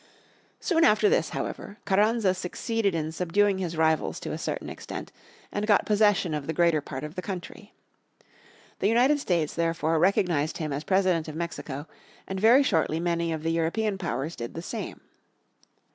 Soon after this, however, Carranza succeeded in subduing his rivals to a certain extent, and got possession of the greater part of the country. The United States, therefore, recognized him as President of Mexico, and very shortly many of the European powers did the same.